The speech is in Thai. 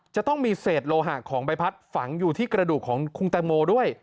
จะต้องมีเศษโลหะของใบพัดฝังอยู่ที่กระดูกของคุณแตงโมด้วย